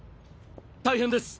大変です！